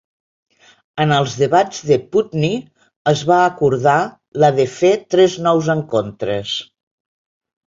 En els debats de Putney, es va acordar la de fer tres nous encontres.